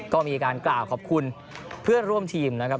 ก็มีการกล่าวขอบคุณเพื่อนร่วมทีมนะครับ